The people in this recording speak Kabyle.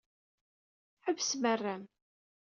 Ḥebsem arram.